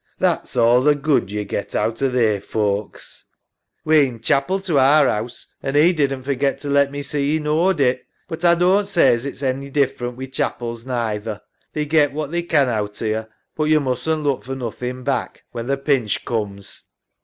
That's all th' good yo get out o' they folks. EMMA. We'm chapel to our 'ouse, an' 'e didn't forget to let me see 'e knaw'd it, but A doan't say as it's ony dif ferent wi' chapels, neither. They get what they can outer yo, but yo musn't look for nothin' back, when th' pinch cooms.